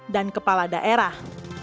dan kepala daerah